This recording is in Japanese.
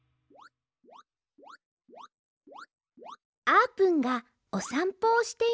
あーぷんがおさんぽをしています